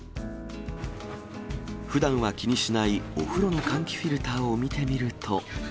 ふだんは気にしないお風呂の換気フィルターを見てみると。